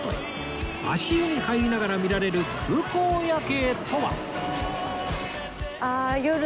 足湯に入りながら見られる空港夜景とは